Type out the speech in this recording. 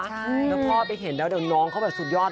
แล้วพ่อไปเห็นแล้วเดี๋ยวน้องเขาแบบสุดยอด